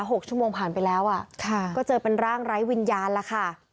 หกชั่วโมงผ่านไปแล้วอ่ะค่ะก็เจอเป็นร่างไร้วิญญาณแล้วค่ะ